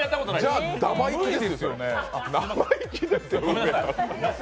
じゃあ生意気ですよ。